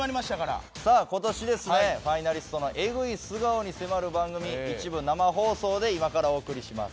今年ですねファイナリストのエグい素顔に迫る番組一部生放送で今からお送りします。